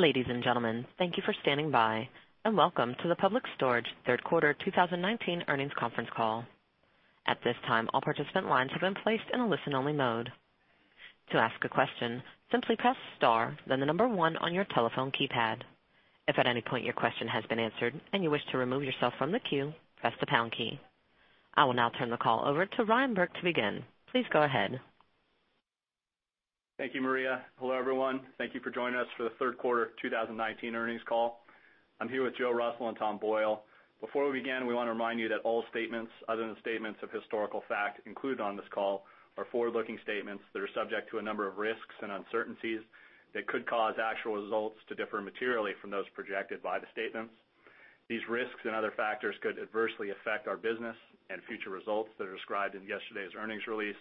Ladies and gentlemen, thank you for standing by, and welcome to the Public Storage third quarter 2019 earnings conference call. At this time, all participant lines have been placed in a listen-only mode. To ask a question, simply press star, then the number one on your telephone keypad. If at any point your question has been answered and you wish to remove yourself from the queue, press the pound key. I will now turn the call over to Ryan Burke to begin. Please go ahead. Thank you, Maria. Hello, everyone. Thank you for joining us for the third quarter 2019 earnings call. I'm here with Joe Russell and Tom Boyle. Before we begin, we want to remind you that all statements other than statements of historical fact included on this call are forward-looking statements that are subject to a number of risks and uncertainties that could cause actual results to differ materially from those projected by the statements. These risks and other factors could adversely affect our business and future results that are described in yesterday's earnings release,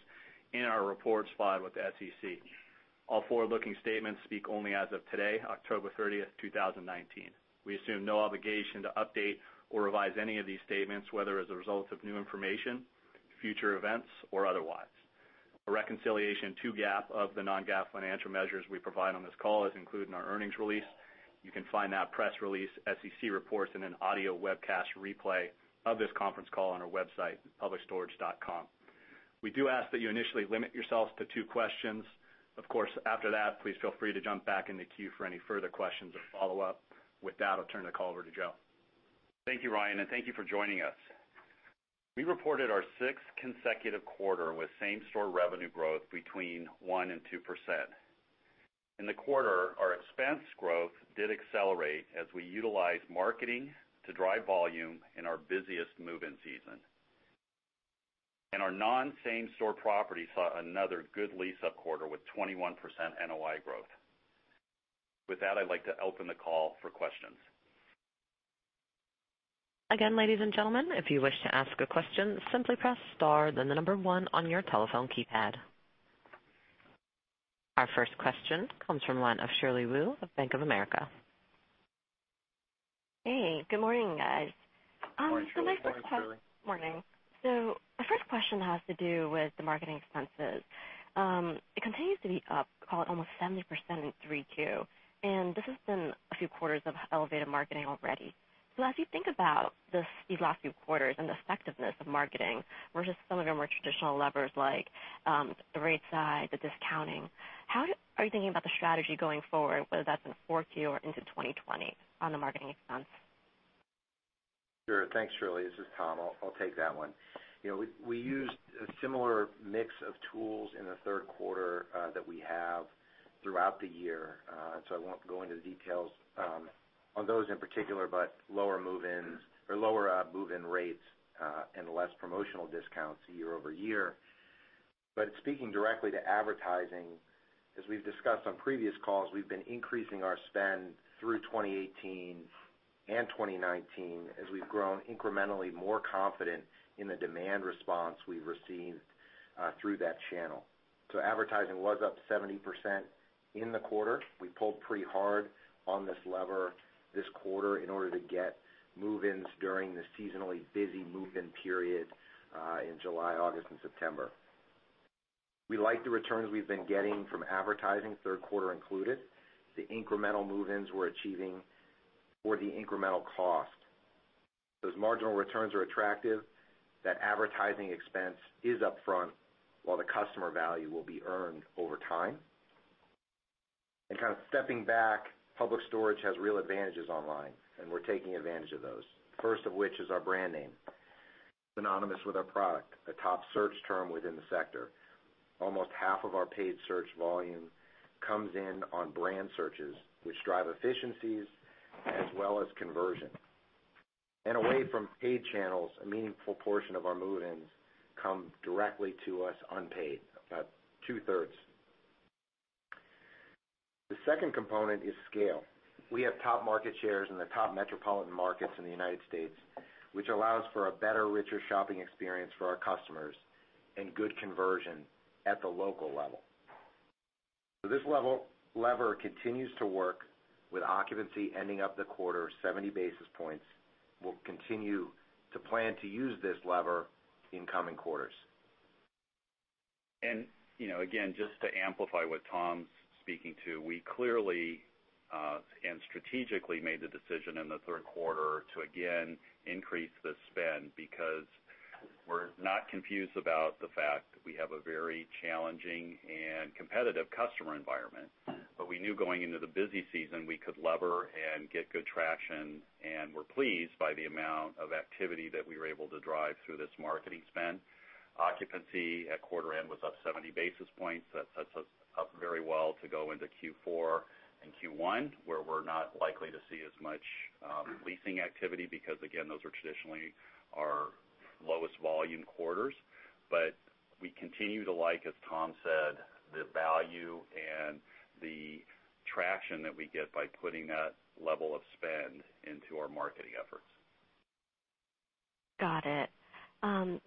in our reports filed with the SEC. All forward-looking statements speak only as of today, October 30th, 2019. We assume no obligation to update or revise any of these statements, whether as a result of new information, future events, or otherwise. A reconciliation to GAAP of the non-GAAP financial measures we provide on this call is included in our earnings release. You can find that press release, SEC reports, and an audio webcast replay of this conference call on our website, publicstorage.com. We do ask that you initially limit yourselves to two questions. Of course, after that, please feel free to jump back in the queue for any further questions or follow up. With that, I'll turn the call over to Joe. Thank you, Ryan, and thank you for joining us. We reported our sixth consecutive quarter with same-store revenue growth between 1% and 2%. In the quarter, our expense growth did accelerate as we utilized marketing to drive volume in our busiest move-in season. Our non-same-store properties saw another good lease-up quarter with 21% NOI growth. With that, I'd like to open the call for questions. Again, ladies and gentlemen, if you wish to ask a question, simply press star then the number one on your telephone keypad. Our first question comes from the line of Shirley Wu of Bank of America. Hey, good morning, guys. Good morning, Shirley. Morning, Shirley. Morning. My first question has to do with the marketing expenses. It continues to be up, call it almost 70% in 3Q, and this has been a few quarters of elevated marketing already. As you think about these last few quarters and the effectiveness of marketing versus some of the more traditional levers like the rate side, the discounting, how are you thinking about the strategy going forward, whether that's in 4Q or into 2020, on the marketing expense? Sure. Thanks, Shirley. This is Tom. I'll take that one. We used a similar mix of tools in the third quarter that we have throughout the year. I won't go into the details on those in particular, but lower move-in rates and less promotional discounts year-over-year. Speaking directly to advertising, as we've discussed on previous calls, we've been increasing our spend through 2018 and 2019 as we've grown incrementally more confident in the demand response we've received through that channel. Advertising was up 70% in the quarter. We pulled pretty hard on this lever this quarter in order to get move-ins during the seasonally busy move-in period, in July, August, and September. We like the returns we've been getting from advertising, third quarter included, the incremental move-ins we're achieving for the incremental cost. Those marginal returns are attractive. That advertising expense is upfront while the customer value will be earned over time. Kind of stepping back, Public Storage has real advantages online, and we're taking advantage of those. First of which is our brand name, synonymous with our product, a top search term within the sector. Almost half of our paid search volume comes in on brand searches, which drive efficiencies as well as conversion. Away from paid channels, a meaningful portion of our move-ins come directly to us unpaid, about two-thirds. The second component is scale. We have top market shares in the top metropolitan markets in the U.S., which allows for a better, richer shopping experience for our customers and good conversion at the local level. This lever continues to work with occupancy ending up the quarter 70 basis points. We'll continue to plan to use this lever in coming quarters. Again, just to amplify what Tom's speaking to, we clearly and strategically made the decision in the third quarter to, again, increase the spend because we're not confused about the fact that we have a very challenging and competitive customer environment. We knew going into the busy season we could lever and get good traction, and we're pleased by the amount of activity that we were able to drive through this marketing spend. Occupancy at quarter end was up 70 basis points. That sets us up very well to go into Q4 and Q1, where we're not likely to see as much leasing activity because, again, those are traditionally our lowest volume quarters. We continue to like, as Tom said, the value and the traction that we get by putting that level of spend into our marketing efforts. Got it.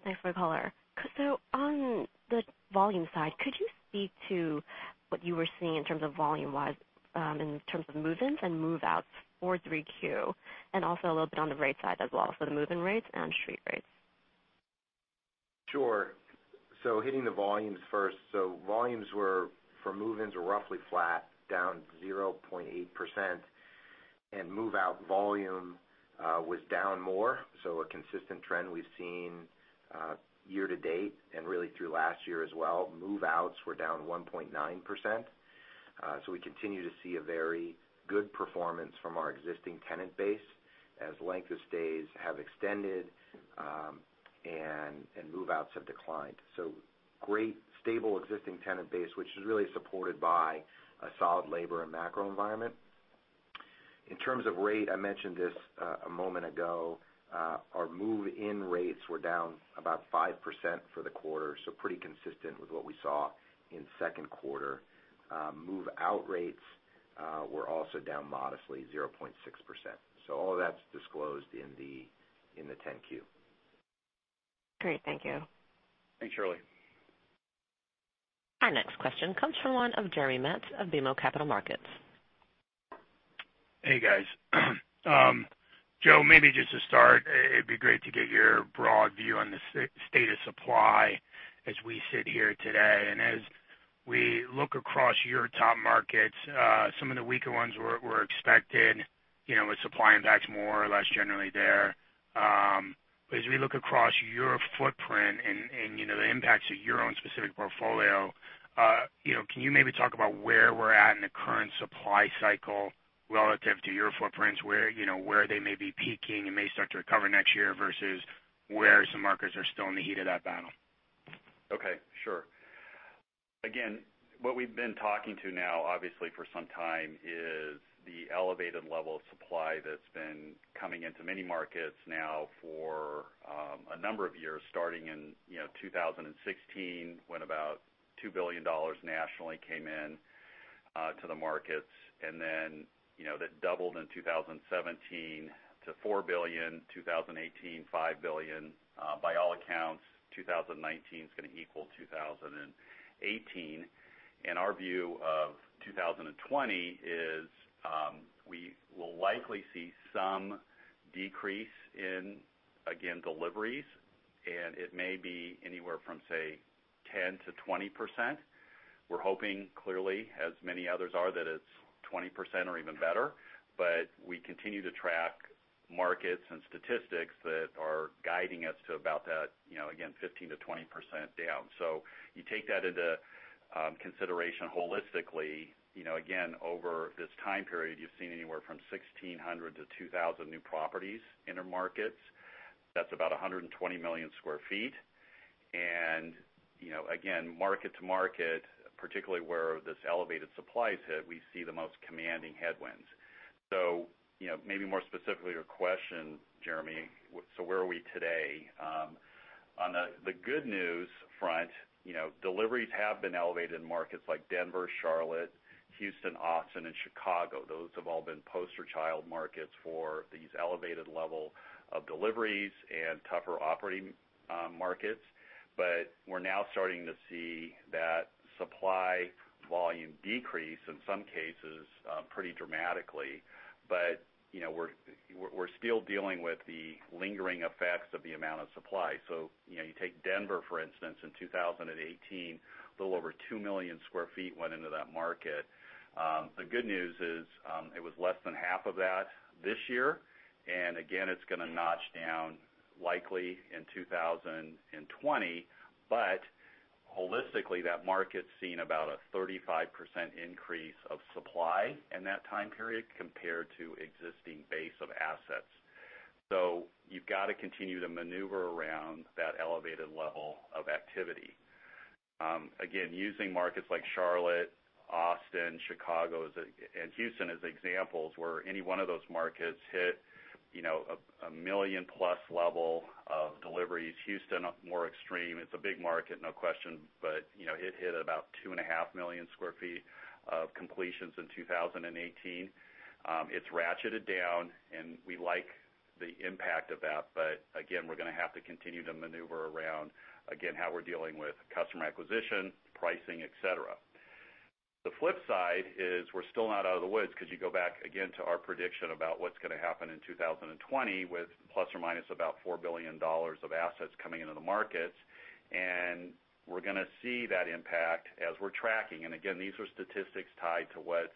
Thanks for the color. On the volume side, could you speak to what you were seeing in terms of volume-wise, in terms of move-ins and move-outs for 3Q, and also a little bit on the rate side as well, so the move-in rates and street rates? Sure. Hitting the volumes first. Volumes were, for move-ins, were roughly flat, down 0.8%, and move-out volume was down more. A consistent trend we've seen year to date and really through last year as well. Move-outs were down 1.9%. We continue to see a very good performance from our existing tenant base as length of stays have extended and move-outs have declined. Great, stable, existing tenant base, which is really supported by a solid labor and macro environment. In terms of rate, I mentioned this a moment ago, our move-in rates were down about 5% for the quarter, so pretty consistent with what we saw in second quarter. Move-out rates were also down modestly 0.6%. All of that's disclosed in the 10-Q. Great. Thank you. Thanks, Shirley. Our next question comes from one of Jeremy Metz of BMO Capital Markets. Hey, guys. Joe, maybe just to start, it'd be great to get your broad view on the state of supply as we sit here today. As we look across your top markets, some of the weaker ones were expected, with supply impacts more or less generally there. As we look across your footprint and the impacts of your own specific portfolio, can you maybe talk about where we're at in the current supply cycle relative to your footprints, where they may be peaking and may start to recover next year versus where some markets are still in the heat of that battle? Okay, sure. What we've been talking to now, obviously for some time, is the elevated level of supply that's been coming into many markets now for a number of years, starting in 2016, when about $2 billion nationally came in to the markets. That doubled in 2017 to $4 billion, 2018, $5 billion. By all accounts, 2019 is going to equal 2018. Our view of 2020 is we will likely see some decrease in, again, deliveries, and it may be anywhere from, say, 10%-20%. We're hoping, clearly, as many others are, that it's 20% or even better, but we continue to track markets and statistics that are guiding us to about that, again, 15%-20% down. You take that into consideration holistically, again, over this time period, you've seen anywhere from 1,600-2,000 new properties in our markets. That's about 120 million sq ft. Again, market to market, particularly where this elevated supply hit, we see the most commanding headwinds. Maybe more specifically to your question, Jeremy, where are we today? On the good news front, deliveries have been elevated in markets like Denver, Charlotte, Houston, Austin, and Chicago. Those have all been poster child markets for these elevated level of deliveries and tougher operating markets. We're now starting to see that supply volume decrease, in some cases, pretty dramatically. We're still dealing with the lingering effects of the amount of supply. You take Denver, for instance, in 2018, a little over 2 million sq ft went into that market. The good news is it was less than half of that this year. Again, it's going to notch down likely in 2020. Holistically, that market's seen about a 35% increase of supply in that time period compared to existing base of assets. You've got to continue to maneuver around that elevated level of activity. Again, using markets like Charlotte, Austin, Chicago, and Houston as examples where any one of those markets hit a million-plus level of deliveries. Houston, more extreme. It's a big market, no question, but it hit about two and a half million sq ft of completions in 2018. It's ratcheted down, and we like the impact of that. Again, we're going to have to continue to maneuver around, again, how we're dealing with customer acquisition, pricing, et cetera. The flip side is we're still not out of the woods because you go back again to our prediction about what's going to happen in 2020 with ±$4 billion of assets coming into the markets. We're going to see that impact as we're tracking. Again, these are statistics tied to what's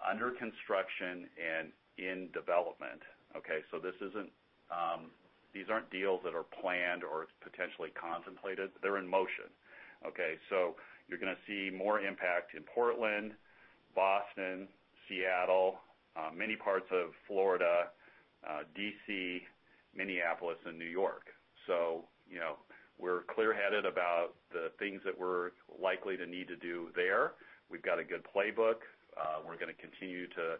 under construction and in development, okay? These aren't deals that are planned or potentially contemplated. They're in motion, okay? You're going to see more impact in Portland, Boston, Seattle, many parts of Florida, D.C., Minneapolis, and New York. We're clear-headed about the things that we're likely to need to do there. We've got a good playbook. We're going to continue to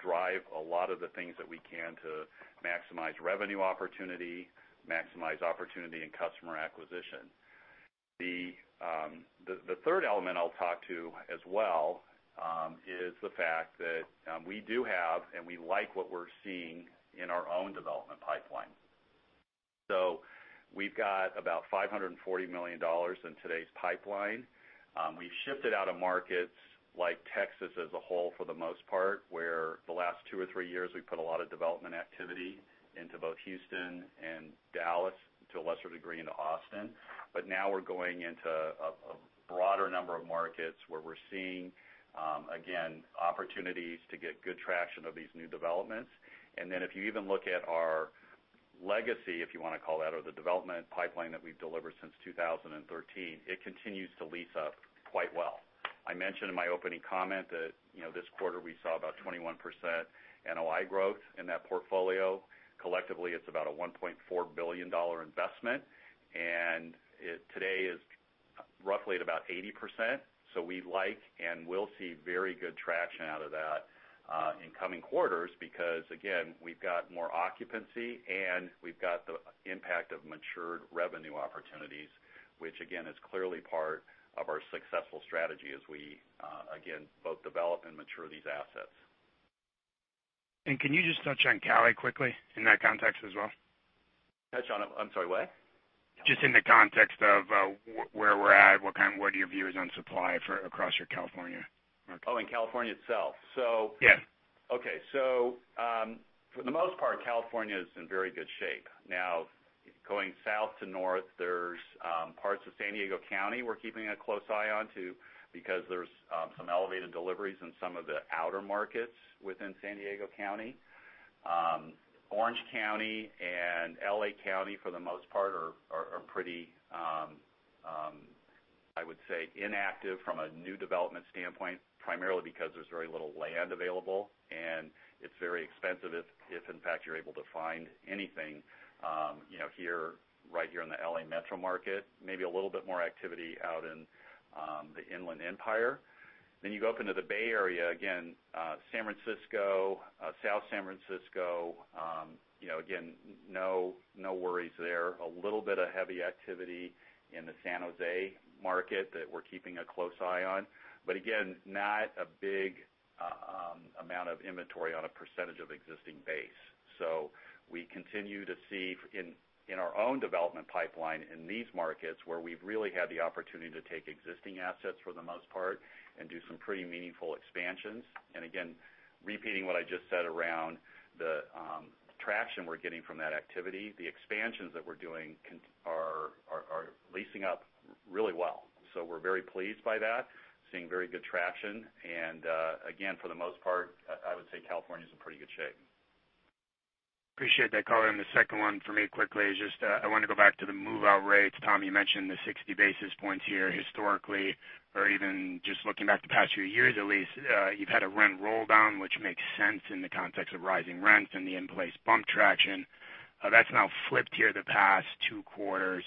drive a lot of the things that we can to maximize revenue opportunity, maximize opportunity in customer acquisition. The third element I'll talk to as well, is the fact that we do have, and we like what we're seeing in our own development pipeline. We've got about $540 million in today's pipeline. We've shifted out of markets like Texas as a whole, for the most part, where the last two or three years, we've put a lot of development activity into both Houston and Dallas, to a lesser degree into Austin. Now we're going into a broader number of markets where we're seeing, again, opportunities to get good traction of these new developments. If you even look at our legacy, if you want to call it that, or the development pipeline that we've delivered since 2013, it continues to lease up quite well. I mentioned in my opening comment that this quarter we saw about 21% NOI growth in that portfolio. Collectively, it's about a $1.4 billion investment. Today is roughly at about 80%. We like, and will see very good traction out of that in coming quarters, because again, we've got more occupancy and we've got the impact of matured revenue opportunities, which again, is clearly part of our successful strategy as we, again, both develop and mature these assets. Can you just touch on California quickly in that context as well? Touch on, I'm sorry, what? Just in the context of where we're at, what your view is on supply across your California market. Oh, in California itself. Yes. Okay. For the most part, California is in very good shape. Now, going south to north, there's parts of San Diego County we're keeping a close eye on too, because there's some elevated deliveries in some of the outer markets within San Diego County. Orange County and L.A. County, for the most part, are pretty, I would say, inactive from a new development standpoint, primarily because there's very little land available, and it's very expensive if, in fact, you're able to find anything right here in the L.A. metro market. Maybe a little bit more activity out in the Inland Empire. You go up into the Bay Area, again, San Francisco, South San Francisco, again, no worries there. A little bit of heavy activity in the San Jose market that we're keeping a close eye on. Again, not a big amount of inventory on a percentage of existing base. We continue to see in our own development pipeline in these markets where we've really had the opportunity to take existing assets for the most part and do some pretty meaningful expansions. Again, repeating what I just said around the traction we're getting from that activity, the expansions that we're doing are leasing up really well. We're very pleased by that, seeing very good traction and, again, for the most part, I would say California's in pretty good shape. Appreciate that, Colin. The second one for me, quickly, is just, I want to go back to the move-out rates. Tom, you mentioned the 60 basis points here historically, or even just looking back the past few years at least, you've had a rent roll-down, which makes sense in the context of rising rents and the in-place bump traction. That's now flipped here the past two quarters.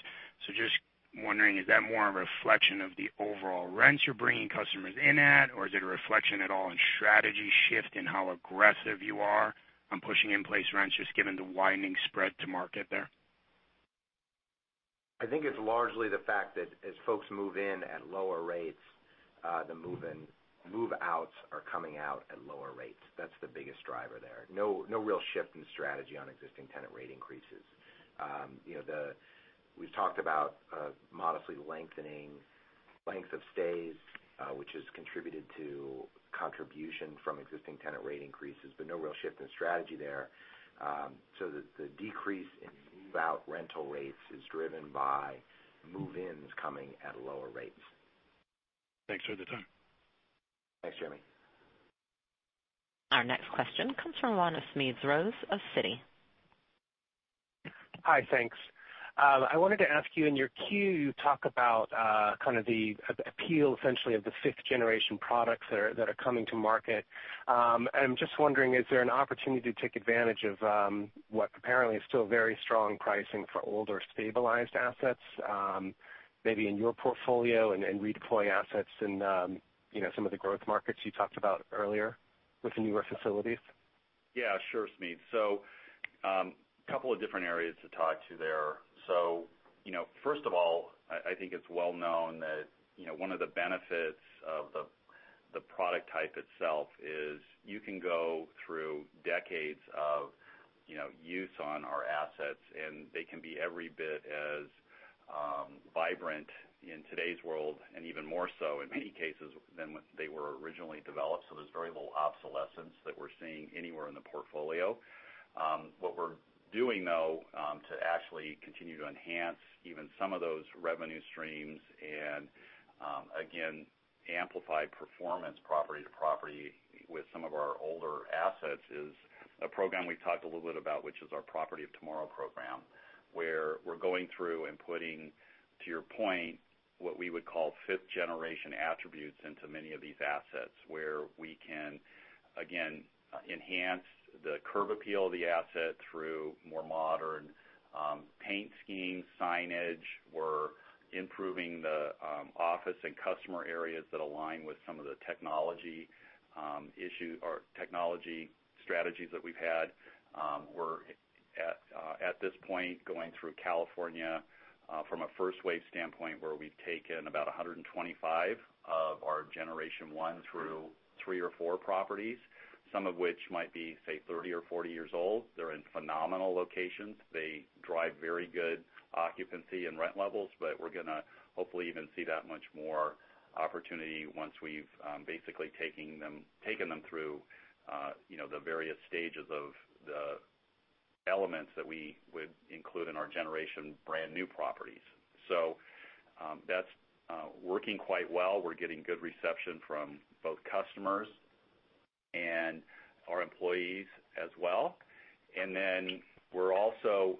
Just wondering, is that more of a reflection of the overall rents you're bringing customers in at, or is it a reflection at all in strategy shift in how aggressive you are on pushing in-place rents, just given the widening spread to market there? I think it's largely the fact that as folks move in at lower rates, the move-outs are coming out at lower rates. That's the biggest driver there. No real shift in strategy on existing tenant rate increases. We've talked about modestly lengthening lengths of stays, which has contributed to contribution from existing tenant rate increases, but no real shift in strategy there. The decrease in move-out rental rates is driven by move-ins coming at lower rates. Thanks for the time. Thanks, Jeremy. Our next question comes from Smedes Rose of Citi. Hi, thanks. I wanted to ask you, in your queue, you talk about kind of the appeal, essentially, of the 5th-generation products that are coming to market. I'm just wondering, is there an opportunity to take advantage of what apparently is still very strong pricing for older stabilized assets maybe in your portfolio and redeploy assets in some of the growth markets you talked about earlier with the newer facilities? Yeah, sure, Smedes. Couple of different areas to talk to there. First of all, I think it's well known that one of the benefits of the product type itself is you can go through decades of use on our assets, and they can be every bit as vibrant in today's world, and even more so in many cases, than when they were originally developed. There's very little obsolescence that we're seeing anywhere in the portfolio. What we're doing, though, to actually continue to enhance even some of those revenue streams and, again, amplify performance property to property with some of our older assets is a program we've talked a little bit about, which is our Property of Tomorrow program, where we're going through and putting, to your point, what we would call 5th-generation attributes into many of these assets, where we can, again, enhance the curb appeal of the asset through more modern paint schemes, signage. We're improving the office and customer areas that align with some of the technology strategies that we've had. We're at this point, going through California from a first-wave standpoint, where we've taken about 125 of our generation 1 through 3 or 4 properties, some of which might be, say, 30 or 40 years old. They're in phenomenal locations. They drive very good occupancy and rent levels, but we're going to hopefully even see that much more opportunity once we've basically taken them through the various stages of the elements that we would include in our generation brand new properties. That's working quite well. We're getting good reception from both customers and our employees as well. We're also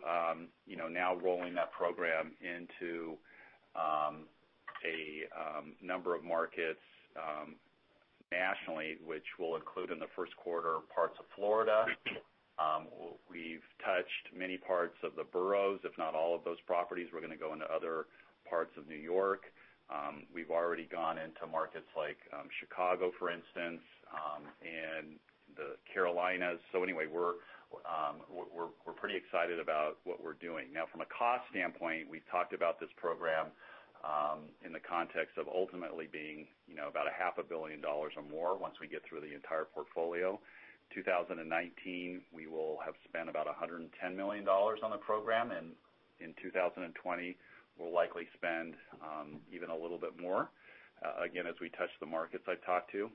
now rolling that program into a number of markets nationally, which we'll include in the first quarter parts of Florida. We've touched many parts of the boroughs, if not all of those properties. We're going to go into other parts of New York. We've already gone into markets like Chicago, for instance, and the Carolinas. Anyway, we're pretty excited about what we're doing. From a cost standpoint, we've talked about this program in the context of ultimately being about a half a billion dollars or more once we get through the entire portfolio. 2019, we will have spent about $110 million on the program, and in 2020, we'll likely spend even a little bit more, again, as we touch the markets I've talked to.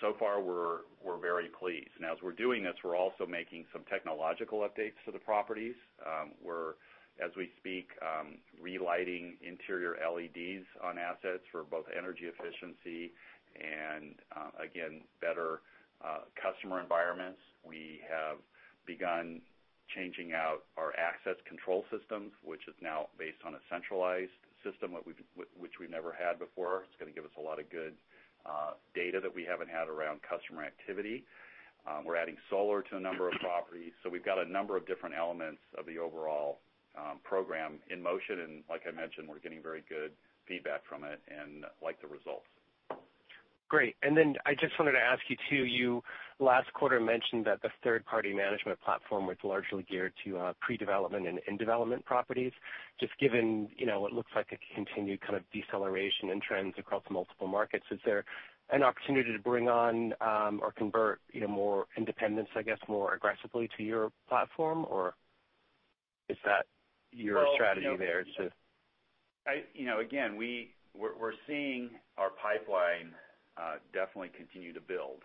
So far we're very pleased. As we're doing this, we're also making some technological updates to the properties. We're, as we speak, relighting interior LEDs on assets for both energy efficiency and, again, better customer environments. We have begun changing out our access control systems, which is now based on a centralized system, which we never had before. It's going to give us a lot of good data that we haven't had around customer activity. We're adding solar to a number of properties. We've got a number of different elements of the overall program in motion, and like I mentioned, we're getting very good feedback from it and like the results. Great. Then I just wanted to ask you, too, you last quarter mentioned that the third-party management platform was largely geared to pre-development and in-development properties. Just given what looks like a continued kind of deceleration in trends across multiple markets, is there an opportunity to bring on or convert more independents, I guess, more aggressively to your platform? Or is that your strategy there? We're seeing our pipeline definitely continue to build.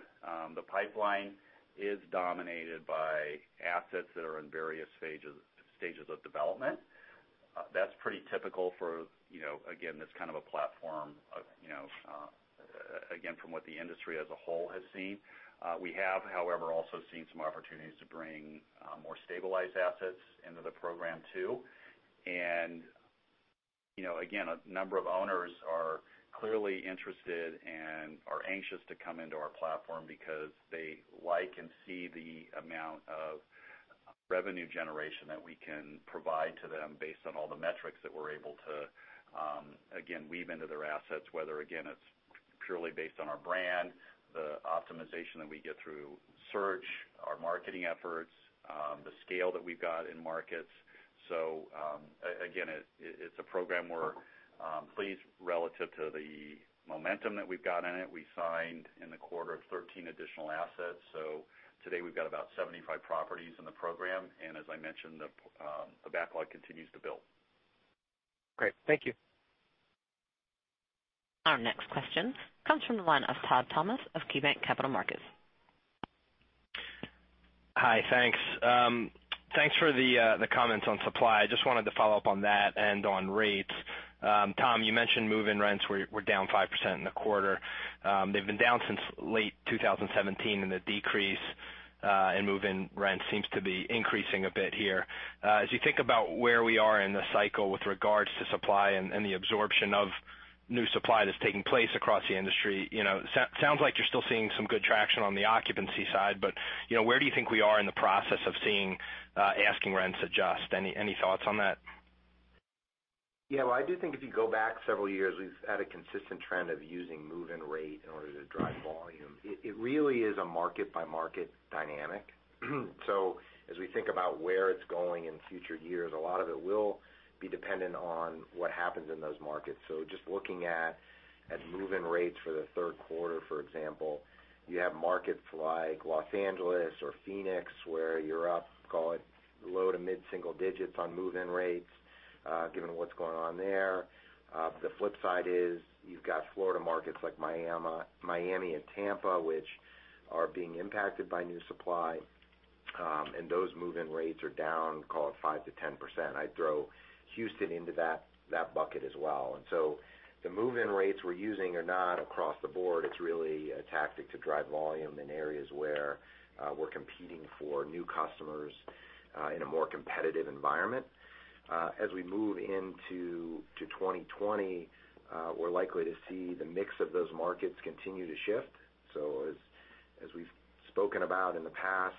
The pipeline is dominated by assets that are in various stages of development. That's pretty typical for this kind of a platform from what the industry as a whole has seen. We have, however, also seen some opportunities to bring more stabilized assets into the program, too. A number of owners are clearly interested and are anxious to come into our platform because they like and see the amount of revenue generation that we can provide to them based on all the metrics that we're able to weave into their assets, whether it's purely based on our brand, the optimization that we get through search, our marketing efforts, the scale that we've got in markets. It's a program we're pleased relative to the momentum that we've got in it. We signed in the quarter 13 additional assets. Today we've got about 75 properties in the program. As I mentioned, the backlog continues to build. Great. Thank you. Our next question comes from the line of Todd Thomas of KeyBanc Capital Markets. Hi. Thanks. Thanks for the comments on supply. I just wanted to follow up on that and on rates. Tom, you mentioned move-in rents were down 5% in the quarter. They've been down since late 2017, and the decrease in move-in rents seems to be increasing a bit here. As you think about where we are in the cycle with regards to supply and the absorption of new supply that's taking place across the industry, sounds like you're still seeing some good traction on the occupancy side, but where do you think we are in the process of seeing asking rents adjust? Any thoughts on that? Yeah. Well, I do think if you go back several years, we've had a consistent trend of using move-in rate in order to drive volume. It really is a market-by-market dynamic. As we think about where it's going in future years, a lot of it will be dependent on what happens in those markets. Just looking at move-in rates for the third quarter, for example, you have markets like Los Angeles or Phoenix where you're up, call it low to mid-single digits on move-in rates, given what's going on there. The flip side is you've got Florida markets like Miami and Tampa, which are being impacted by new supply, and those move-in rates are down, call it 5%-10%. I'd throw Houston into that bucket as well. The move-in rates we're using are not across the board. It's really a tactic to drive volume in areas where we're competing for new customers in a more competitive environment. As we move into 2020, we're likely to see the mix of those markets continue to shift. As we've spoken about in the past,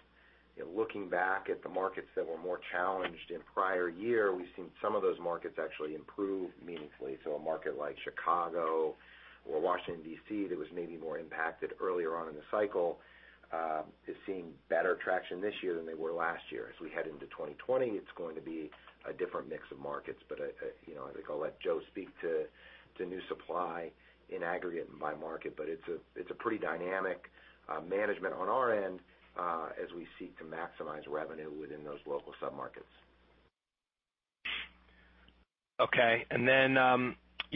looking back at the markets that were more challenged in prior year, we've seen some of those markets actually improve meaningfully. A market like Chicago or Washington, D.C., that was maybe more impacted earlier on in the cycle, is seeing better traction this year than they were last year. As we head into 2020, it's going to be a different mix of markets, but I think I'll let Joe speak to new supply in aggregate and by market, but it's a pretty dynamic management on our end as we seek to maximize revenue within those local submarkets. Okay.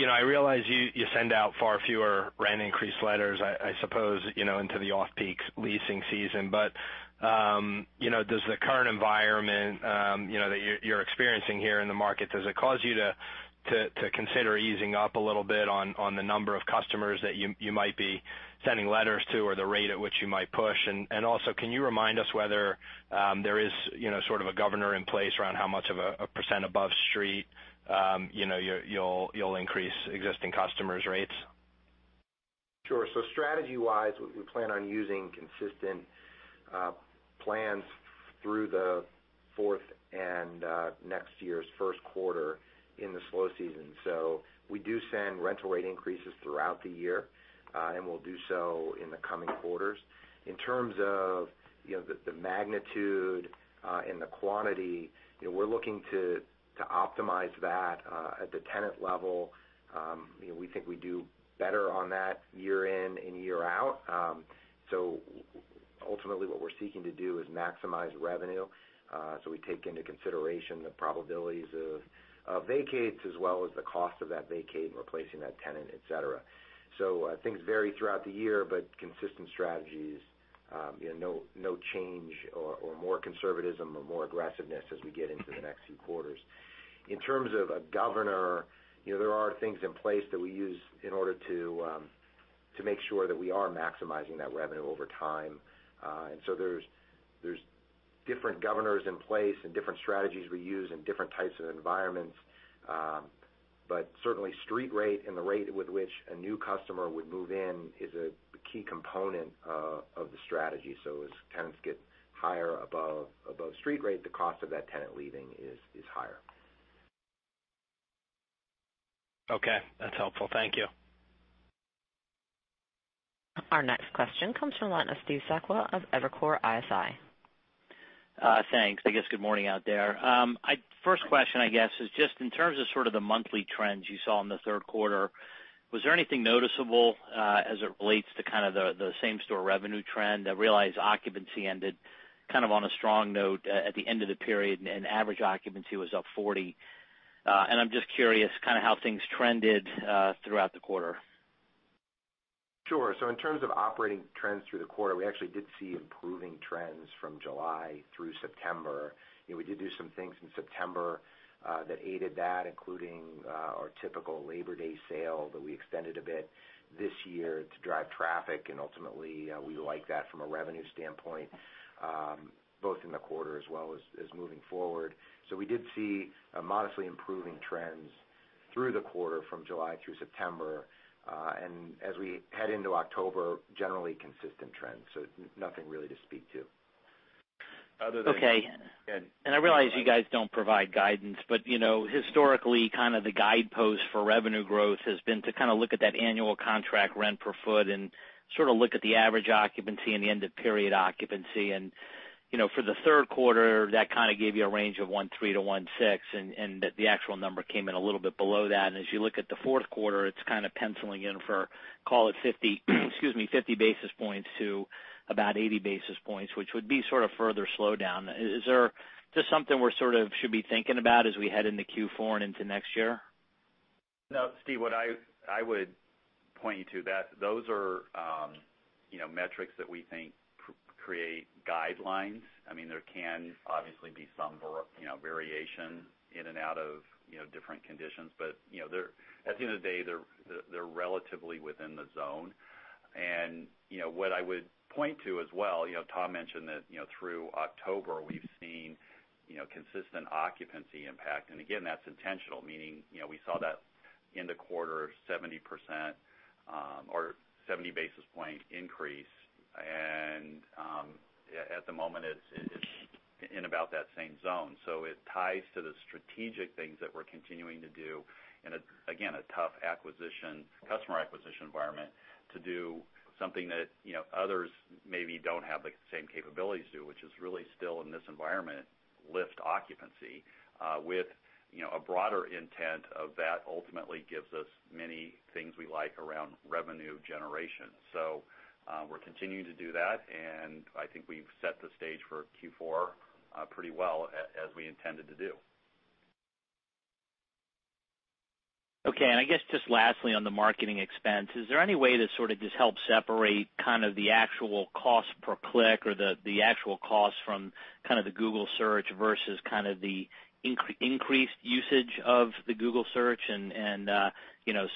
I realize you send out far fewer rent increase letters, I suppose, into the off-peak leasing season. Does the current environment that you're experiencing here in the market, does it cause you to consider easing up a little bit on the number of customers that you might be sending letters to, or the rate at which you might push? Can you remind us whether there is sort of a governor in place around how much of a % above street you'll increase existing customers' rates? Sure. Strategy-wise, we plan on using consistent plans through the fourth and next year's first quarter in the slow season. We do send rental rate increases throughout the year, and we'll do so in the coming quarters. In terms of the magnitude and the quantity, we're looking to optimize that at the tenant level. We think we do better on that year in and year out. Ultimately, what we're seeking to do is maximize revenue. We take into consideration the probabilities of vacates, as well as the cost of that vacate and replacing that tenant, et cetera. Things vary throughout the year, but consistent strategies, no change or more conservatism or more aggressiveness as we get into the next few quarters. In terms of a governor, there are things in place that we use in order to make sure that we are maximizing that revenue over time. There's different governors in place and different strategies we use and different types of environments. Certainly, street rate and the rate with which a new customer would move in is a key component of the strategy. As tenants get higher above street rate, the cost of that tenant leaving is higher. Okay. That's helpful. Thank you. Our next question comes from the line of Steve Sakwa of Evercore ISI. Thanks. I guess good morning out there. First question, I guess, is just in terms of sort of the monthly trends you saw in the third quarter, was there anything noticeable as it relates to kind of the same-store revenue trend? I realize occupancy ended kind of on a strong note at the end of the period, average occupancy was up 40. I'm just curious kind of how things trended throughout the quarter. Sure. In terms of operating trends through the quarter, we actually did see improving trends from July through September. We did do some things in September that aided that, including our typical Labor Day sale that we extended a bit this year to drive traffic, and ultimately, we like that from a revenue standpoint, both in the quarter as well as moving forward. We did see modestly improving trends through the quarter from July through September. As we head into October, generally consistent trends. Nothing really to speak to. Okay. Go ahead. I realize you guys don't provide guidance, but historically, kind of the guidepost for revenue growth has been to kind of look at that annual contract rent per foot and sort of look at the average occupancy and the end of period occupancy. For the third quarter, that kind of gave you a range of 1.3%-1.6%, and the actual number came in a little bit below that. As you look at the fourth quarter, it's kind of penciling in for, call it 50 basis points to about 80 basis points, which would be sort of further slowdown. Is there just something we sort of should be thinking about as we head into Q4 and into next year? No, Steve, what I would point you to, those are metrics that we think create guidelines. There can obviously be some variation in and out of different conditions. At the end of the day, they're relatively within the zone. What I would point to as well, Tom mentioned that through October, we've seen consistent occupancy impact. Again, that's intentional, meaning we saw that in the quarter, 70% or 70 basis point increase. At the moment, it's in about that same zone. It ties to the strategic things that we're continuing to do in, again, a tough customer acquisition environment to do something that others maybe don't have the same capabilities to, which is really still in this environment, lift occupancy with a broader intent of that ultimately gives us many things we like around revenue generation. We're continuing to do that, and I think we've set the stage for Q4 pretty well as we intended to do. Okay. I guess just lastly on the marketing expense, is there any way to sort of just help separate kind of the actual cost per click or the actual cost from kind of the Google Search versus kind of the increased usage of the Google Search and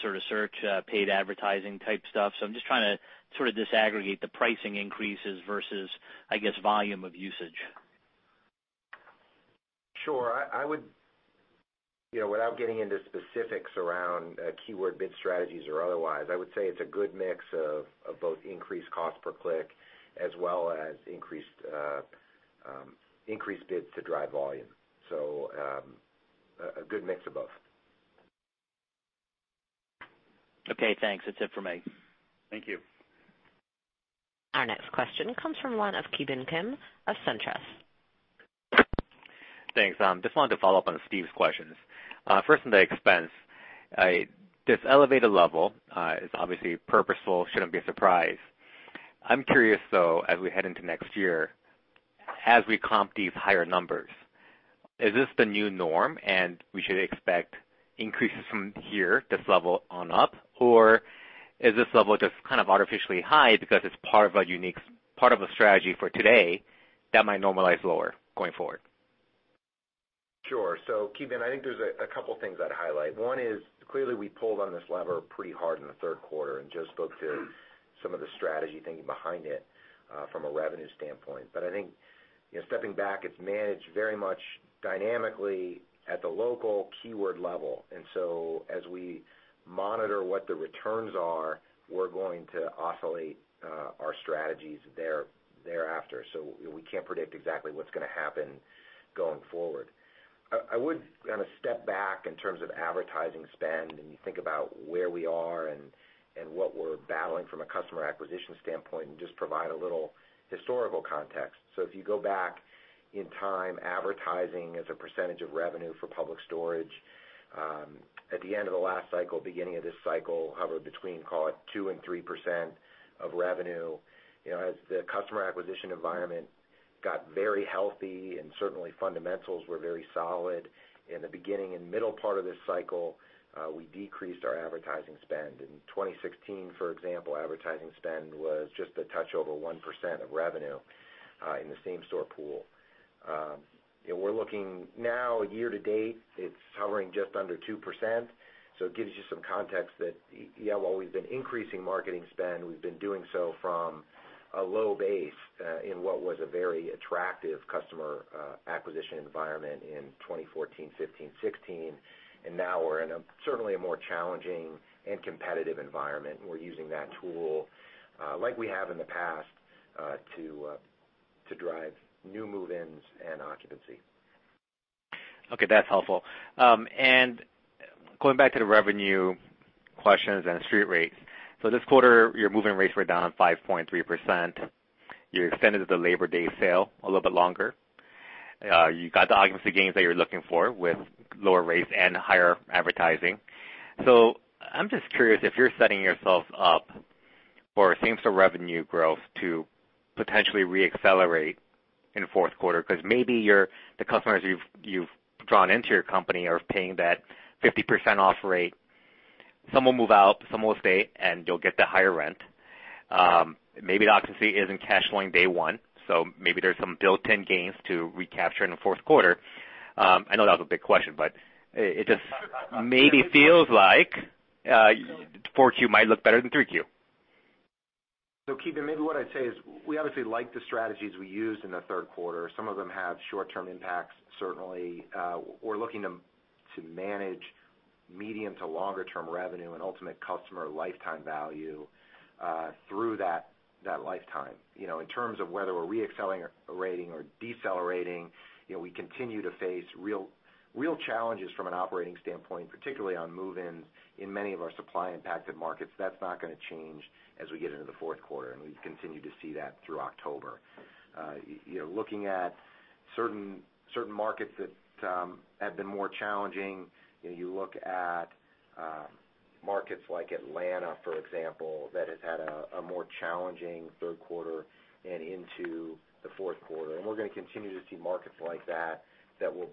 sort of search paid advertising type stuff? I'm just trying to sort of disaggregate the pricing increases versus, I guess, volume of usage. Sure. Without getting into specifics around keyword bid strategies or otherwise, I would say it's a good mix of both increased cost per click as well as increased bids to drive volume. A good mix of both. Okay, thanks. That's it for me. Thank you. Our next question comes from the line of Ki Bin Kim of SunTrust. Thanks. Just wanted to follow up on Steve's questions. First on the expense. This elevated level is obviously purposeful, shouldn't be a surprise. I'm curious, though, as we head into next year. As we comp these higher numbers, is this the new norm and we should expect increases from here, this level on up? Or is this level just kind of artificially high because it's part of a strategy for today that might normalize lower going forward? Sure. Ki Bin, I think there's a couple things I'd highlight. One is clearly we pulled on this lever pretty hard in the third quarter and Joe spoke to some of the strategy thinking behind it, from a revenue standpoint. I think stepping back, it's managed very much dynamically at the local keyword level, as we monitor what the returns are, we're going to oscillate our strategies thereafter. We can't predict exactly what's going to happen going forward. I would kind of step back in terms of advertising spend and you think about where we are and what we're battling from a customer acquisition standpoint, and just provide a little historical context. If you go back in time, advertising as a percentage of revenue for Public Storage, at the end of the last cycle, beginning of this cycle, hovered between, call it 2%-3% of revenue. As the customer acquisition environment got very healthy and certainly fundamentals were very solid in the beginning and middle part of this cycle, we decreased our advertising spend. In 2016, for example, advertising spend was just a touch over 1% of revenue, in the same-store pool. We're looking now year to date, it's hovering just under 2%. It gives you some context that, yeah, while we've been increasing marketing spend, we've been doing so from a low base, in what was a very attractive customer acquisition environment in 2014, 2015, 2016, and now we're in a certainly more challenging and competitive environment, and we're using that tool, like we have in the past, to drive new move-ins and occupancy. Okay. That's helpful. Going back to the revenue questions and street rates. This quarter, your move-in rates were down 5.3%. You extended the Labor Day sale a little bit longer. You got the occupancy gains that you're looking for with lower rates and higher advertising. I'm just curious if you're setting yourself up for same-store revenue growth to potentially re-accelerate in the fourth quarter, because maybe the customers you've drawn into your company are paying that 50% off rate. Some will move out, some will stay, and you'll get the higher rent. Maybe the occupancy isn't cash flowing day one, maybe there's some built-in gains to recapture in the fourth quarter. I know that was a big question, it just maybe feels like 4Q might look better than 3Q. Ki Bin, maybe what I'd say is we obviously like the strategies we used in the third quarter. Some of them have short-term impacts, certainly. We're looking to manage medium to longer-term revenue and ultimate customer lifetime value, through that lifetime. In terms of whether we're re-accelerating or decelerating, we continue to face real challenges from an operating standpoint, particularly on move-ins in many of our supply-impacted markets. That's not going to change as we get into the fourth quarter, and we continue to see that through October. Looking at certain markets that have been more challenging, you look at markets like Atlanta, for example, that has had a more challenging third quarter and into the fourth quarter. We're going to continue to see markets like that that will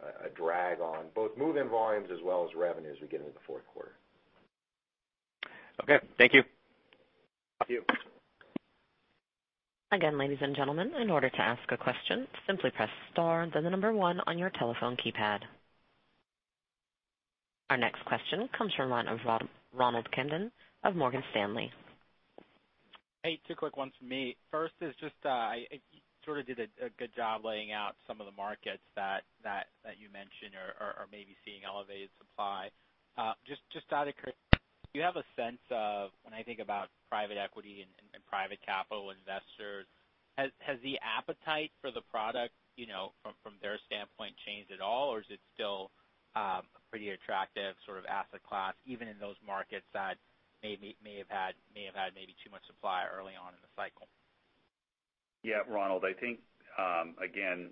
be a drag on both move-in volumes as well as revenues as we get into the fourth quarter. Okay. Thank you. Thank you. Again, ladies and gentlemen, in order to ask a question, simply press star then the number 1 on your telephone keypad. Our next question comes from the line of Ronald Kamdem of Morgan Stanley. Hey, two quick ones from me. First is just, you sort of did a good job laying out some of the markets that you mentioned are maybe seeing elevated supply. Just out of curiosity, do you have a sense of, when I think about private equity and private capital investors, has the appetite for the product from their standpoint changed at all, or is it still a pretty attractive sort of asset class, even in those markets that may have had maybe too much supply early on in the cycle? Yeah. Ronald, I think, again,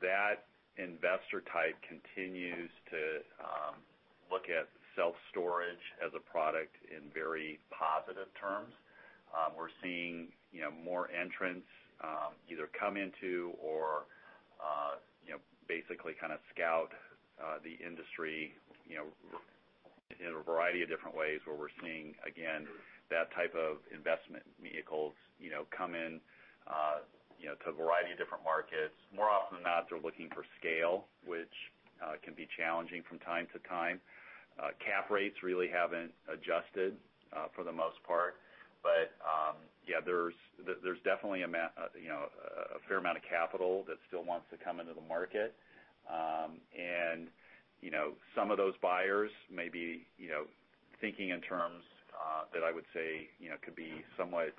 that investor type continues to look at self-storage as a product in very positive terms. We're seeing more entrants either come into or basically kind of scout the industry in a variety of different ways where we're seeing, again, that type of investment vehicles come in to a variety of different markets. More often than not, they're looking for scale, which can be challenging from time to time. Cap rates really haven't adjusted for the most part. Yeah, there's definitely a fair amount of capital that still wants to come into the market. Some of those buyers may be thinking in terms that I would say could be somewhat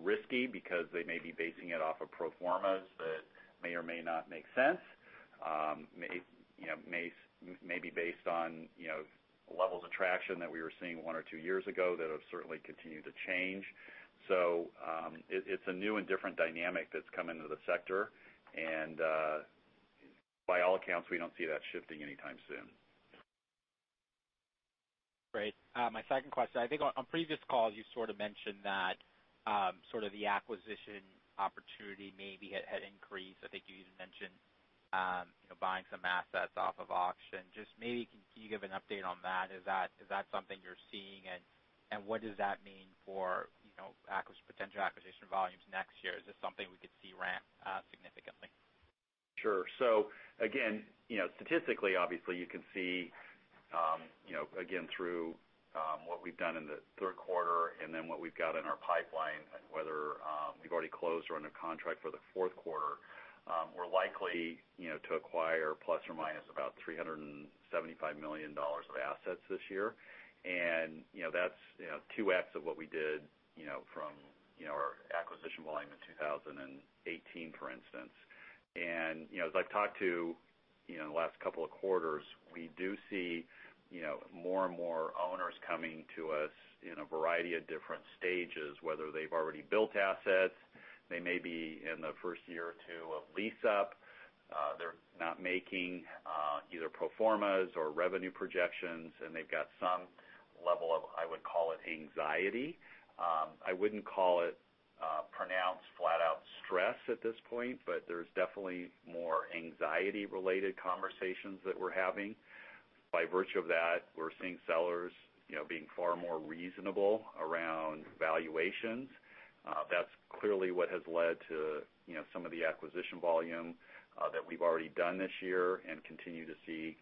risky because they may be basing it off of pro formas that may or may not make sense. Maybe based on levels of traction that we were seeing one or two years ago that have certainly continued to change. It's a new and different dynamic that's come into the sector, and by all accounts, we don't see that shifting anytime soon. Great. My second question, I think on previous calls you sort of mentioned that the acquisition opportunity maybe had increased. I think you even mentioned buying some assets off of auction. Just maybe, can you give an update on that? Is that something you're seeing, and what does that mean for potential acquisition volumes next year? Is this something we could see ramp significantly? Sure. Again, statistically, obviously you can see, again, through what we've done in the third quarter and then what we've got in our pipeline and whether we've already closed or under contract for the fourth quarter, we're likely to acquire ±$375 million of assets this year. That's 2X of what we did from our acquisition volume in 2018, for instance. As I've talked to in the last couple of quarters, we do see more and more owners coming to us in a variety of different stages, whether they've already built assets, they may be in the first year or two of lease-up. They're not making either pro formas or revenue projections, and they've got some level of, I would call it, anxiety. I wouldn't call it pronounced, flat-out stress at this point, but there's definitely more anxiety-related conversations that we're having. By virtue of that, we're seeing sellers being far more reasonable around valuations. That's clearly what has led to some of the acquisition volume that we've already done this year and continue to see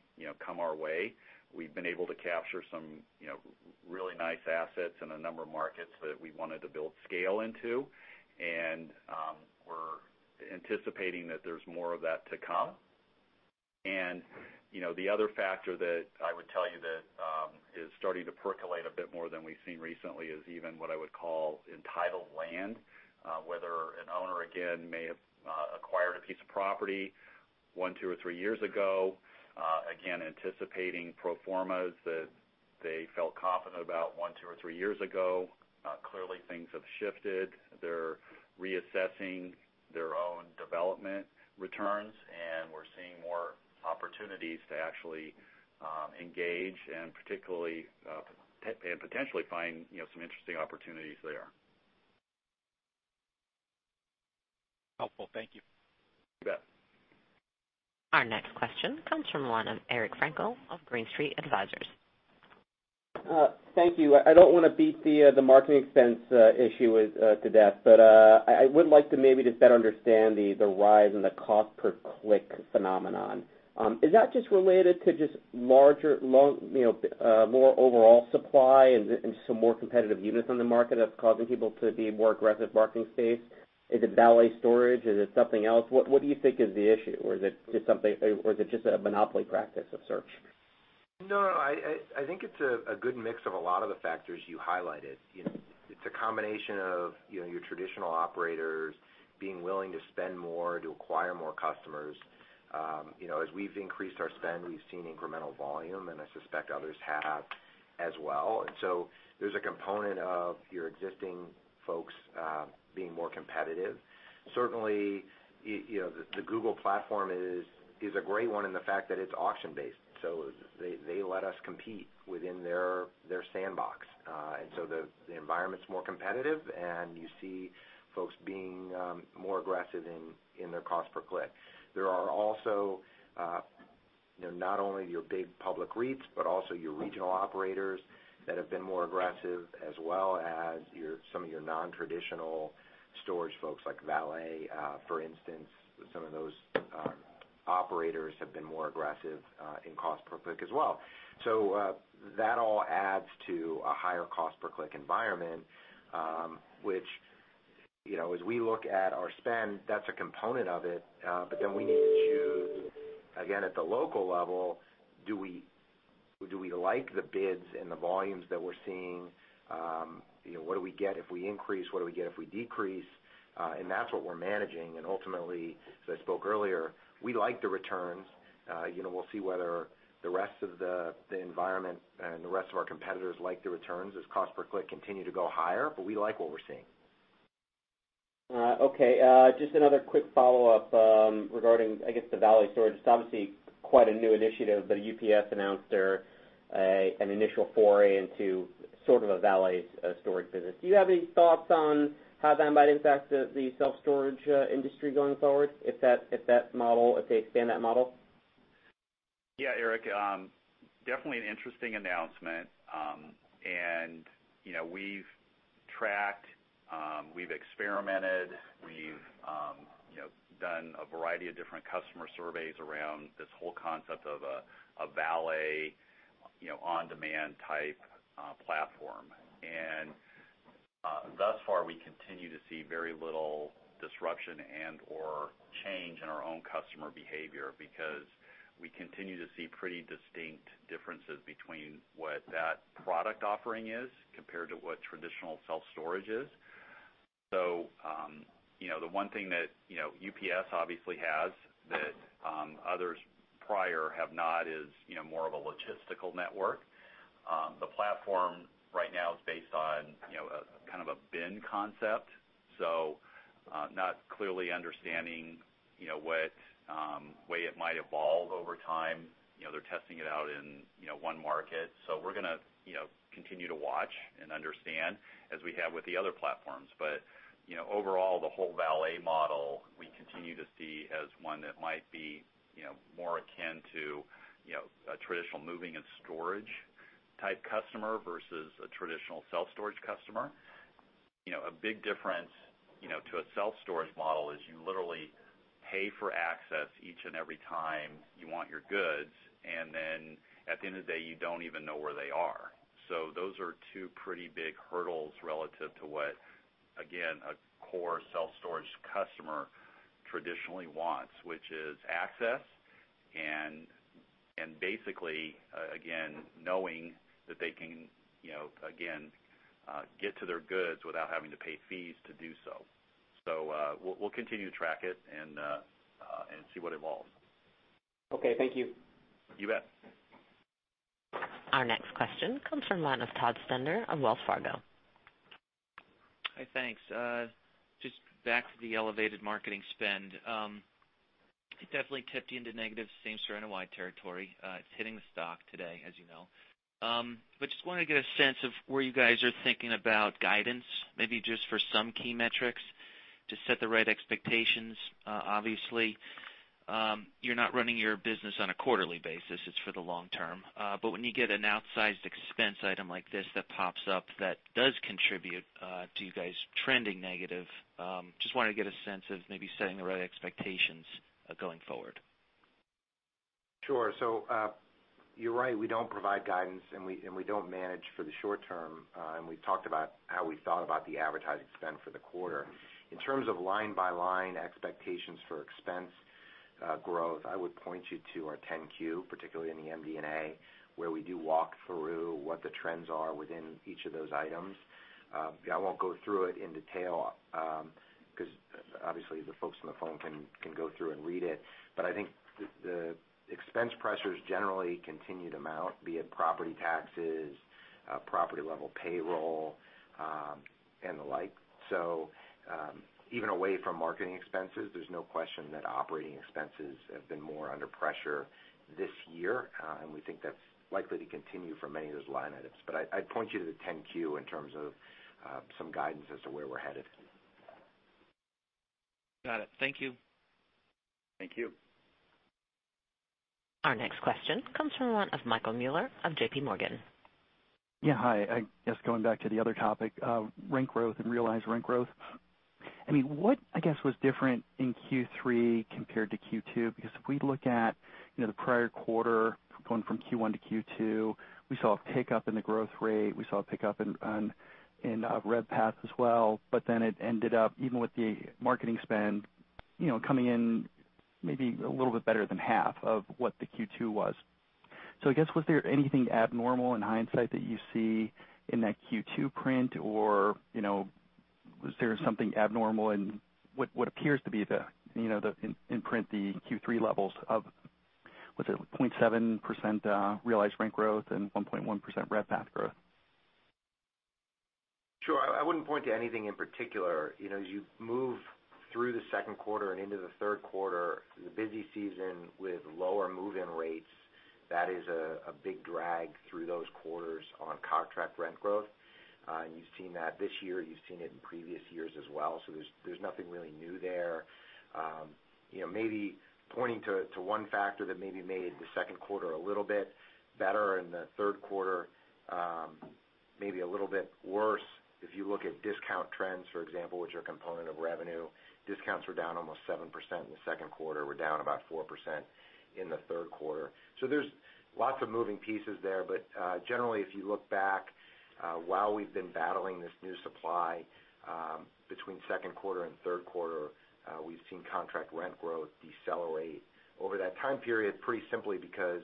come our way. We've been able to capture some really nice assets in a number of markets that we wanted to build scale into. We're anticipating that there's more of that to come. The other factor that I would tell you that is starting to percolate a bit more than we've seen recently is even what I would call entitled land, whether an owner, again, may have acquired a piece of property one, two, or three years ago, again, anticipating pro formas that they felt confident about one, two, or three years ago. Clearly, things have shifted. They're reassessing their own development returns, and we're seeing more opportunities to actually engage and potentially find some interesting opportunities there. Helpful. Thank you. You bet. Our next question comes from the line of Eric Frankel of Green Street Advisors. Thank you. I don't want to beat the marketing expense issue to death, but I would like to maybe just better understand the rise in the cost per click phenomenon. Is that just related to just more overall supply and some more competitive units on the market that's causing people to be more aggressive marketing space? Is it valet storage? Is it something else? What do you think is the issue, or is it just a monopoly practice of search? No, I think it's a good mix of a lot of the factors you highlighted. It's a combination of your traditional operators being willing to spend more to acquire more customers. As we've increased our spend, we've seen incremental volume, and I suspect others have as well. There's a component of your existing folks being more competitive. Certainly, the Google platform is a great one in the fact that it's auction-based, so they let us compete within their sandbox. The environment's more competitive, and you see folks being more aggressive in their cost per click. There are also not only your big public REITs, but also your regional operators that have been more aggressive, as well as some of your non-traditional storage folks like Valet, for instance. Some of those operators have been more aggressive in cost per click as well. That all adds to a higher cost per click environment, which as we look at our spend, that's a component of it. Then we need to choose, again, at the local level, do we like the bids and the volumes that we're seeing? What do we get if we increase? What do we get if we decrease? That's what we're managing. Ultimately, as I spoke earlier, we like the returns. We'll see whether the rest of the environment and the rest of our competitors like the returns as cost per click continue to go higher, but we like what we're seeing. Okay. Just another quick follow-up regarding, I guess, the valet storage. UPS announced an initial foray into sort of a valet storage business. Do you have any thoughts on how that might impact the self-storage industry going forward if they expand that model? Yeah, Eric. Definitely an interesting announcement. We've tracked, we've experimented, we've done a variety of different customer surveys around this whole concept of a valet on-demand type platform. Thus far, we continue to see very little disruption and/or change in our own customer behavior because we continue to see pretty distinct differences between what that product offering is compared to what traditional self-storage is. The one thing that UPS obviously has that others prior have not is more of a logistical network. The platform right now is based on kind of a bin concept, not clearly understanding what way it might evolve over time. They're testing it out in one market. We're going to continue to watch and understand, as we have with the other platforms. Overall, the whole valet model, we continue to see as one that might be more akin to a traditional moving and storage type customer versus a traditional self-storage customer. A big difference to a self-storage model is you literally pay for access each and every time you want your goods, and then, at the end of the day, you don't even know where they are. Those are two pretty big hurdles relative to what, again, a core self-storage customer traditionally wants, which is access and basically, again, knowing that they can, again, get to their goods without having to pay fees to do so. We'll continue to track it and see what evolves. Okay. Thank you. You bet. Our next question comes from the line of Todd Stender of Wells Fargo. Hi, thanks. Just back to the elevated marketing spend. It definitely tipped you into negative same store NOI territory. It's hitting the stock today, as you know. Just wanted to get a sense of where you guys are thinking about guidance, maybe just for some key metrics to set the right expectations. Obviously, you're not running your business on a quarterly basis, it's for the long term. When you get an outsized expense item like this that pops up that does contribute to you guys trending negative, just wanted to get a sense of maybe setting the right expectations going forward. Sure. You're right, we don't provide guidance, and we don't manage for the short term. We've talked about how we thought about the advertising spend for the quarter. In terms of line-by-line expectations for expense growth, I would point you to our 10-Q, particularly in the MD&A, where we do walk through what the trends are within each of those items. I won't go through it in detail, because obviously the folks on the phone can go through and read it. I think the expense pressures generally continue to mount, be it property taxes, property-level payroll, and the like. Even away from marketing expenses, there's no question that operating expenses have been more under pressure this year. We think that's likely to continue for many of those line items. I'd point you to the 10-Q in terms of some guidance as to where we're headed. Got it. Thank you. Thank you. Our next question comes from the line of Michael Mueller of J.P. Morgan. Yeah. Hi. I guess going back to the other topic of rent growth and realized rent growth. What, I guess, was different in Q3 compared to Q2? If we look at the prior quarter, going from Q1 to Q2, we saw a pickup in the growth rate, we saw a pickup in RevPAF as well. It ended up, even with the marketing spend, coming in maybe a little bit better than half of what the Q2 was. I guess, was there anything abnormal in hindsight that you see in that Q2 print, or was there something abnormal in what appears to be the, in print, the Q3 levels of, was it 0.7% realized rent growth and 1.1% RevPAF growth? Sure. I wouldn't point to anything in particular. As you move through the second quarter and into the third quarter, the busy season with lower move-in rates, that is a big drag through those quarters on contract rent growth. You've seen that this year, you've seen it in previous years as well. There's nothing really new there. Maybe pointing to one factor that maybe made the second quarter a little bit better and the third quarter maybe a little bit worse. If you look at discount trends, for example, which are a component of revenue, discounts were down almost 7% in the second quarter, were down about 4% in the third quarter. There's lots of moving pieces there. Generally, if you look back, while we've been battling this new supply between second quarter and third quarter, we've seen contract rent growth decelerate over that time period, pretty simply because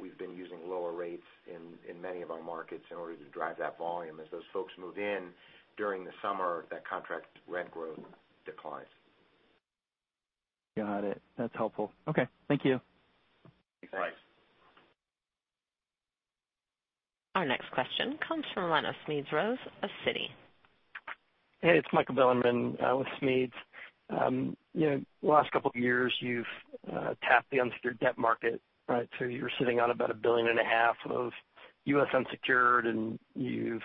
we've been using lower rates in many of our markets in order to drive that volume. As those folks move in during the summer, that contract rent growth declines. Got it. That's helpful. Okay. Thank you. Thanks. Our next question comes from the line of Smedes Rose of Citi. Hey, it's Michael Bilerman with Smedes. Last couple of years, you've tapped the unsecured debt market, right? You're sitting on about $1.5 billion of U.S. unsecured, and you've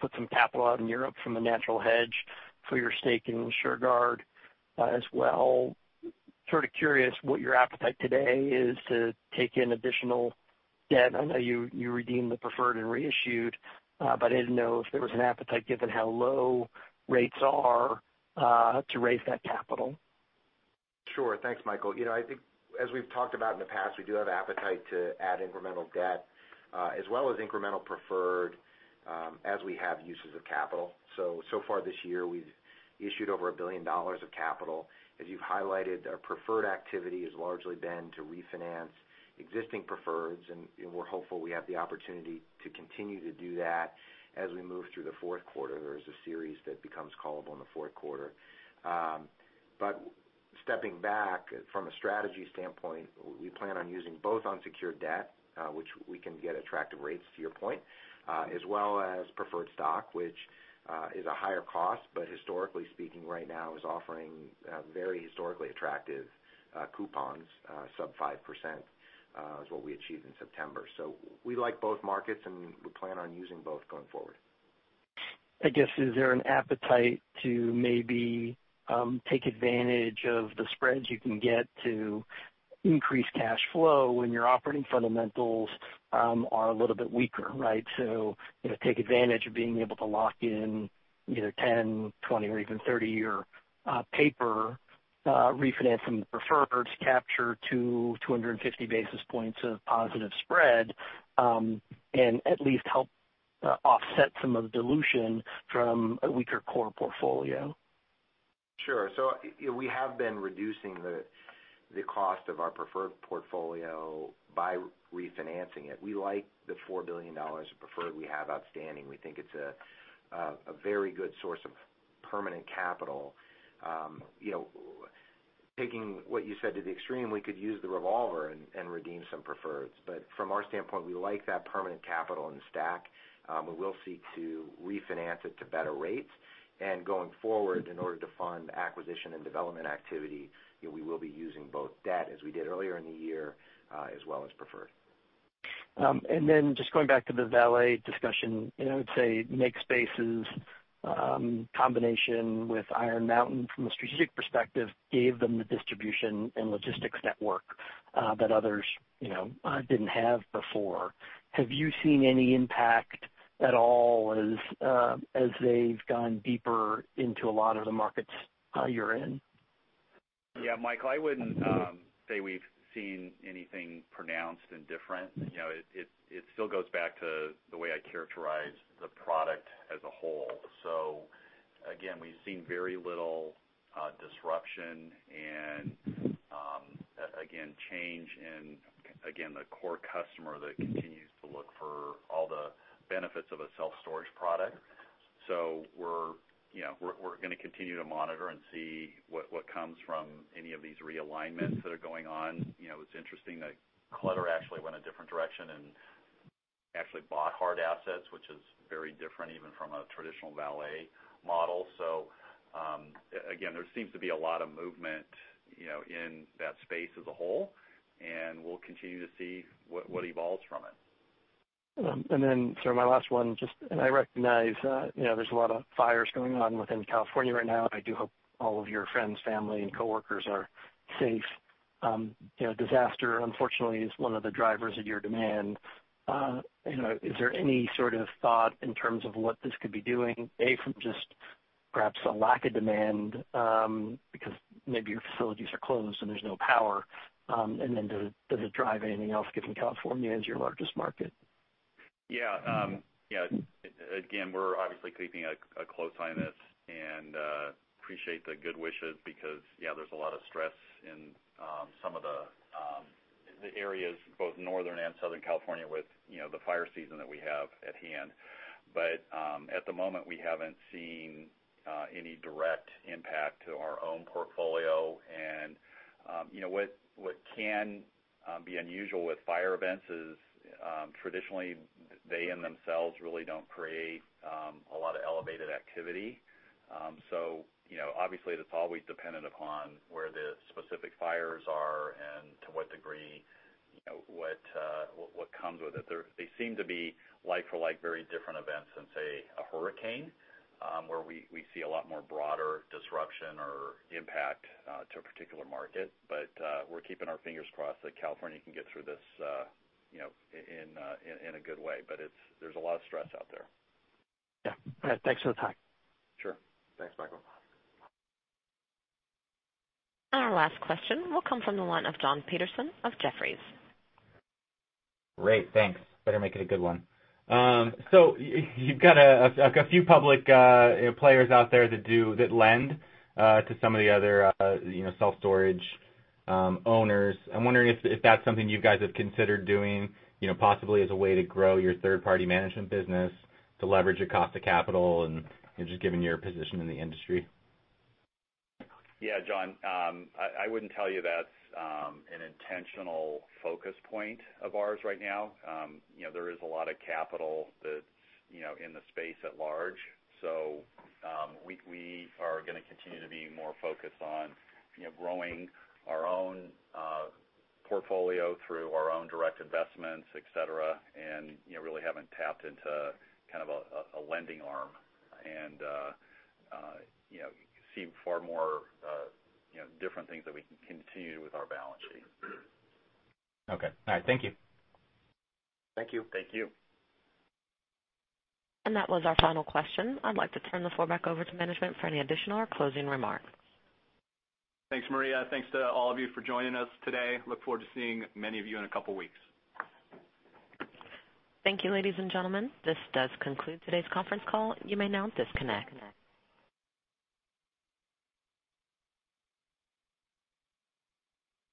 put some capital out in Europe from a natural hedge for your stake in Shurgard as well. Sort of curious what your appetite today is to take in additional debt. I know you redeemed the preferred and reissued, but I didn't know if there was an appetite, given how low rates are, to raise that capital. Sure. Thanks, Michael. I think as we've talked about in the past, we do have appetite to add incremental debt, as well as incremental preferred, as we have uses of capital. Far this year, we've issued over $1 billion of capital. As you've highlighted, our preferred activity has largely been to refinance existing preferreds, and we're hopeful we have the opportunity to continue to do that as we move through the fourth quarter. There is a series that becomes callable in the fourth quarter. Stepping back from a strategy standpoint, we plan on using both unsecured debt, which we can get attractive rates to your point, as well as preferred stock, which is a higher cost, but historically speaking, right now is offering very historically attractive coupons, sub 5% is what we achieved in September. We like both markets, and we plan on using both going forward. I guess, is there an appetite to maybe take advantage of the spreads you can get to increase cash flow when your operating fundamentals are a little bit weaker, right? Take advantage of being able to lock in either 10, 20, or even 30-year paper, refinancing the preferred to capture 200, 250 basis points of positive spread, and at least help offset some of the dilution from a weaker core portfolio. Sure. We have been reducing the cost of our preferred portfolio by refinancing it. We like the $4 billion of preferred we have outstanding. We think it's a very good source of permanent capital. Taking what you said to the extreme, we could use the revolver and redeem some preferreds. From our standpoint, we like that permanent capital in the stack. We will seek to refinance it to better rates, and going forward, in order to fund acquisition and development activity, we will be using both debt, as we did earlier in the year, as well as preferred. Just going back to the valet discussion, I would say MakeSpace's combination with Iron Mountain, from a strategic perspective, gave them the distribution and logistics network that others didn't have before. Have you seen any impact at all as they've gone deeper into a lot of the markets you're in? Yeah, Michael, I wouldn't say we've seen anything pronounced and different. It still goes back to the way I characterize the product as a whole. Again, we've seen very little disruption and change in the core customer that continues to look for all the benefits of a self-storage product. We're going to continue to monitor and see what comes from any of these realignments that are going on. It's interesting that Clutter actually went a different direction and actually bought hard assets, which is very different even from a traditional valet model. Again, there seems to be a lot of movement in that space as a whole, and we'll continue to see what evolves from it. Sir, my last one, I recognize there's a lot of fires going on within California right now, I do hope all of your friends, family, and coworkers are safe. Disaster, unfortunately, is one of the drivers of your demand. Is there any sort of thought in terms of what this could be doing, A, from just perhaps a lack of demand because maybe your facilities are closed and there's no power, does it drive anything else given California is your largest market? Yeah. Again, we're obviously keeping a close eye on this and appreciate the good wishes because yeah, there's a lot of stress in some of the areas, both Northern and Southern California, with the fire season that we have at hand. At the moment, we haven't seen any direct impact to our own portfolio. What can be unusual with fire events is traditionally, they in themselves really don't create a lot of elevated activity. Obviously, that's always dependent upon where the specific fires are and to what degree, what comes with it. They seem to be like for like very different events than, say, a hurricane, where we see a lot more broader disruption or impact to a particular market. We're keeping our fingers crossed that California can get through this in a good way. There's a lot of stress out there. Yeah. Thanks for the time. Sure. Thanks, Michael. Our last question will come from the line of Jon Petersen of Jefferies. Great, thanks. Better make it a good one. You've got a few public players out there that lend to some of the other self-storage owners. I'm wondering if that's something you guys have considered doing, possibly as a way to grow your third-party management business to leverage the cost of capital and just given your position in the industry. Yeah, Jon, I wouldn't tell you that's an intentional focus point of ours right now. There is a lot of capital that's in the space at large. We are going to continue to be more focused on growing our own portfolio through our own direct investments, et cetera, and really haven't tapped into kind of a lending arm and see far more different things that we can continue with our balance sheet. Okay. All right. Thank you. Thank you. Thank you. That was our final question. I'd like to turn the floor back over to management for any additional or closing remarks. Thanks, Maria. Thanks to all of you for joining us today. Look forward to seeing many of you in a couple of weeks. Thank you, ladies and gentlemen. This does conclude today's conference call. You may now disconnect.